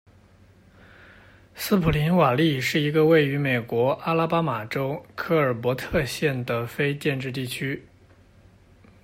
斯普林瓦利是一个位于美国阿拉巴马州科尔伯特县的非建制地区。